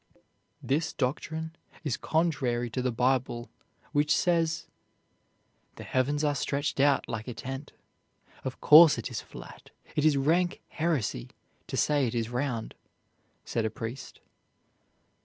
"This doctrine is contrary to the Bible, which says, 'The heavens are stretched out like a tent:' of course it is flat; it is rank heresy to say it is round," said a priest.